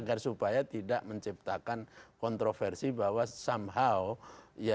agar supaya tidak menciptakan kontroversi bahwa somehow ya town hall meeting ya